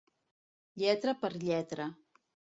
Lletra per lletra.